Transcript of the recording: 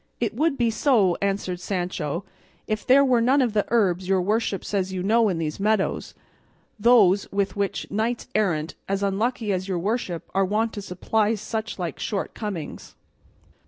"It would be so," answered Sancho, "if there were none of the herbs your worship says you know in these meadows, those with which knights errant as unlucky as your worship are wont to supply such like shortcomings."